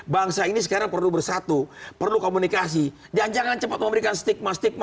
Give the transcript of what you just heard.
bangsa ini sekarang perlu bersatu perlu komunikasi dan jangan cepat memberikan stigma stigma